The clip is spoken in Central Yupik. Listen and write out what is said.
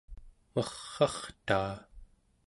merr'artaa